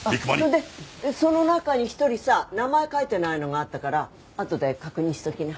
それでその中に１人さ名前書いてないのがあったからあとで確認しときな。